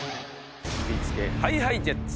振り付けＨｉＨｉＪｅｔｓ